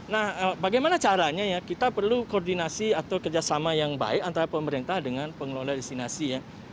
nah bagaimana caranya ya kita perlu koordinasi atau kerjasama yang baik antara pemerintah dengan pengelola destinasi ya